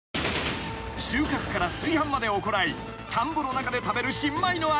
［収穫から炊飯まで行い田んぼの中で食べる新米の味］